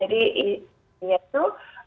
jadi ini itu